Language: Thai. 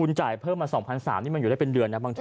คุณจ่ายเพิ่มมา๒๓๐๐บาทนี่มันอยู่ได้เป็นเดือนนะบางที